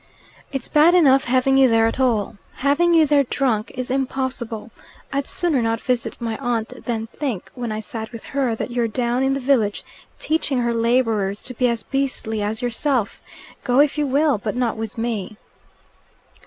"It's bad enough having you there at all. Having you there drunk is impossible. I'd sooner not visit my aunt than think, when I sat with her, that you're down in the village teaching her labourers to be as beastly as yourself. Go if you will. But not with me."